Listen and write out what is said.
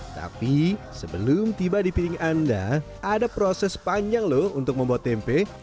tapi sebelum tiba di piring anda ada proses panjang loh untuk membuat tempe